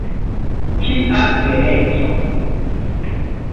Kia beleco!